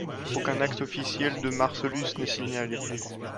Aucun acte officiel de Marcellus n'est signalé.